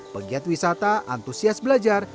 pegiat wisata antusias belajar